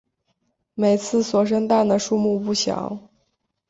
每次所生蛋的数目不详。